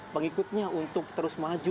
pengikutnya untuk terus maju